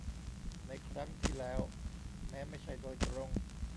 ในครั้งที่แล้วแม้ไม่ใช่โดยตรง